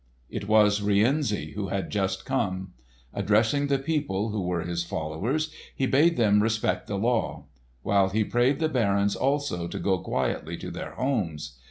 It was Rienzi, who had just come. Addressing the people, who were his followers, he bade them respect the law; while he prayed the barons also to go quietly to their homes.